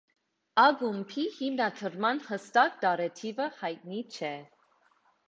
Ակումբի հիմնադրման հստակ տարեթիվը հայտնի չէ։